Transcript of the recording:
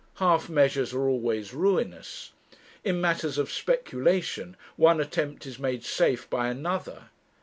Half measures are always ruinous. In matters of speculation one attempt is made safe by another.